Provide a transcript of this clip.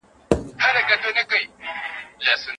ښځه حق لري چې قضا ته رجوع وکړي.